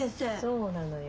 そうなのよ。